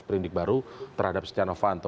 perindik baru terhadap stianofanto